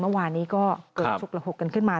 เมื่อวานนี้ก็เกิดฉุกระหกกันขึ้นมา